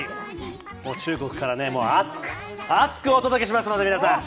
中国から熱く、熱くお届けしますので皆さん！